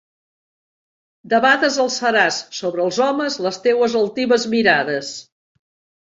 Debades alçaràs sobre els homes les teues altives mirades.